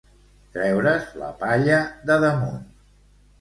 Treure's la palla de damunt.